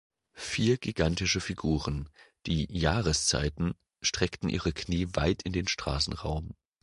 Vier gigantische Figuren, die ‚Jahreszeiten‘, streckten ihre Knie weit in den Straßenraum.